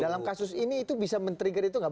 dalam kasus ini itu bisa men trigger itu nggak